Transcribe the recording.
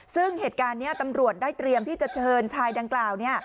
ซึ่งเหตุการณ์นี้ตำรวจได้เตรียมที่จะเชิญชายดังกล่าว